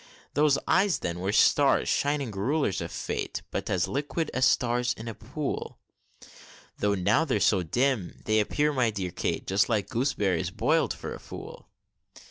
Those eyes, then, were stars, shining rulers of fate! But as liquid as stars in a pool; Though now they're so dim, they appear, my dear Kate, Just like gooseberries boil'd for a fool!